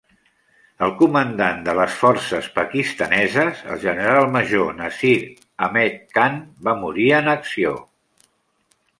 El comandant de les forces pakistaneses el general major Nasir Ahmed Khan va morir en acció.